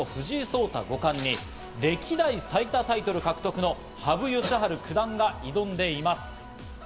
現在、最多タイトル保持の藤井聡太五冠に歴代最多タイトル獲得の羽生善治九段が挑んでいます。